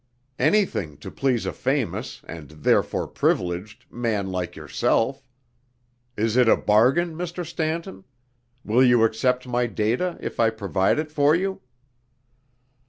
Anything to please a famous, and therefore privileged, man like yourself. Is it a bargain, Mr. Stanton will you accept my data if I provide it for you?"